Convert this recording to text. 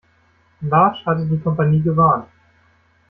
Bartsch hatte die Kompanie gewarnt.